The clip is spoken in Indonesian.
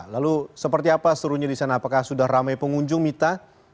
lalu seperti apa serunya di sana apakah sudah ramai pengunjung mita